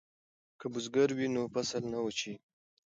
که بزګر وي نو فصل نه وچیږي.